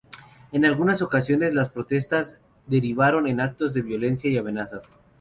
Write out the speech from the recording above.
En algunas ocasiones, las protestas derivaron en actos de violencia y amenazas.